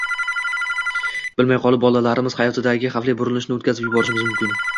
“bilmay qolib, bolalarimiz hayotidagi xavfli burilishni o‘tkazib yuborishimiz mumkin”